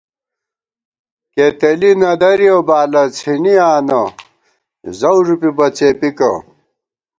کېتېلی نہ درِیَؤ بالہ څِھنی آنہ زَؤ ݫُپِبہ څېپِکہ